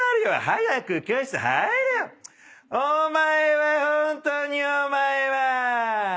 お前はホントにお前は！